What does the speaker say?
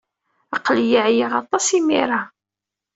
Aql-iyi ɛyiɣ aṭas imir-a.